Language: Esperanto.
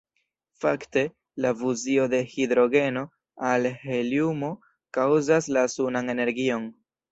Fakte, la fuzio de hidrogeno al heliumo kaŭzas la sunan energion.